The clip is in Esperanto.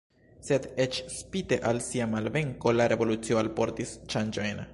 Sed eĉ spite al sia malvenko la revolucio alportis ŝanĝojn.